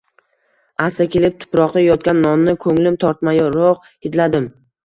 Asta kelib, tuproqda yotgan nonni ko‘nglim tortmayroq hidladim